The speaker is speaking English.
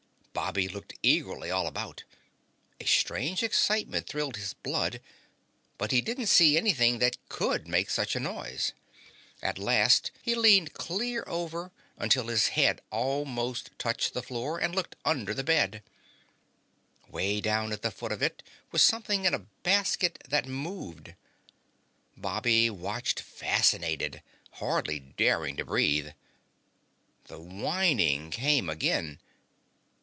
Bobby looked eagerly all about; a strange excitement thrilled his blood, but didn't see anything that could make such a noise. At last he leaned clear over until his head almost touched the floor and looked under the bed. Way down at the foot of it was something in a basket, that moved. Bobby watched fascinated, hardly daring to breathe. The whining came again.